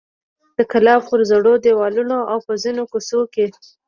د کلا پر زړو دیوالونو او په ځینو کوڅو کې.